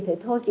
thì thôi chị